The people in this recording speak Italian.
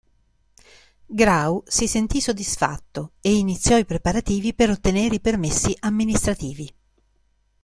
Grau si sentì soddisfatto e iniziò i preparativi per ottenere i permessi amministrativi.